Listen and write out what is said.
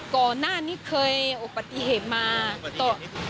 ก่อนหน้านี้เคยโอปฏิเหตุมาโอปฏิเหตุ